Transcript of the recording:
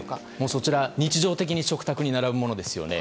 そちら、日常的に食卓に並ぶものですよね。